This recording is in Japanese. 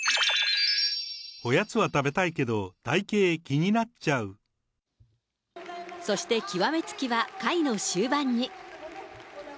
おやつは食べたいけど、体形、そして、極め付きは、会の終盤に。